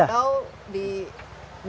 atau di indonesia sendiri